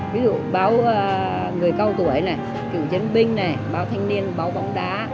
ví dụ báo người cao tuổi này cựu chiến binh này báo thanh niên báo bóng đá